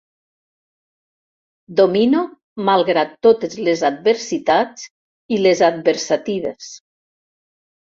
Domino malgrat totes les adversitats i les adversatives.